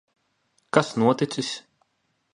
Kas noticis?